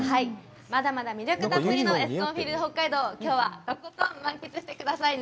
まだまだ魅力たっぷりのエスコンフィールドＨＯＫＫＡＩＤＯ、きょうはとことん満喫してくださいね。